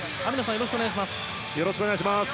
よろしくお願いします。